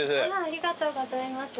ありがとうございます。